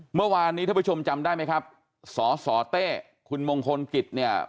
เมื่อวานนี้ท่านผู้ชมจำได้ไหมครับสสเต้คุณมงคลกิจเนี่ย